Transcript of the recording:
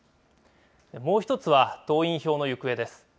もう一つは党員票の行方です。